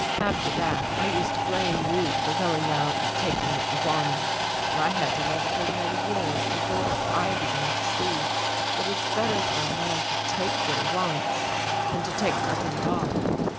After that I used to blame you for going out and taking what you wanted, and I had to live a good many years before I began to see that it's better for a man to take what he wants than to take nothing at all.